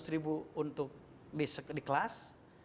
seratus ribu untuk di kelas